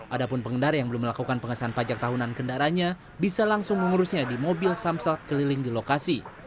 ada pun pengendara yang belum melakukan pengesahan pajak tahunan kendaranya bisa langsung mengurusnya di mobil samsat keliling di lokasi